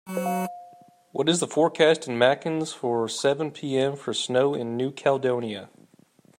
what is the forecast in Mankins for seven p.m for snow in New Caledonia